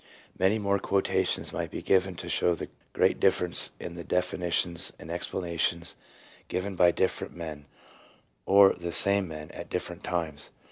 5 Many more quotations might be given to show the great difference in the definitions and explanations given by different men, or the same men at different times.